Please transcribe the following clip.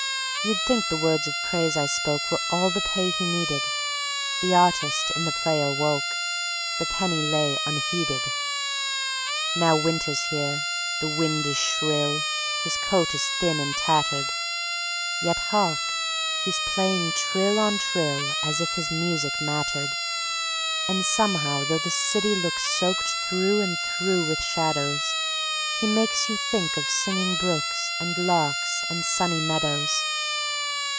You'd think the words of praise I spoke Were all the pay he needed; The artist in the player woke, The penny lay unheeded. Now Winter's here; the wind is shrill, His coat is thin and tattered; Yet hark! he's playing trill on trill As if his music mattered. And somehow though the city looks Soaked through and through with shadows, He makes you think of singing brooks And larks and sunny meadows.